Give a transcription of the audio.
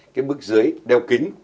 cái bức dưới đeo kính